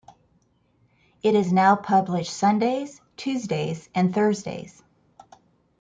It is now published Sundays, Tuesdays and Thursdays.